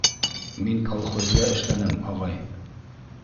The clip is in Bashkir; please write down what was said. Мин колхозда эшләнем, ағай.